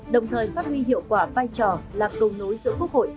đồng thời phát huy hiệu quả vai trò là cầu nối giữa quốc hội